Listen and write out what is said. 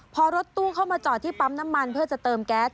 พอรถตู้เข้ามาจอดที่ปั๊มน้ำมันเพื่อจะเติมแก๊ส